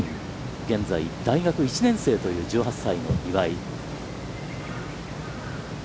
現在大学１年生という１８歳の岩井。